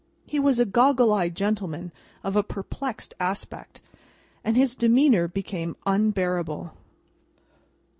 He was a goggle eyed gentleman of a perplexed aspect, and his demeanour became unbearable.